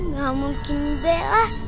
gak mungkin bella